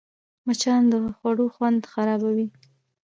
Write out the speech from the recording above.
مچان د خوړو خوند خرابوي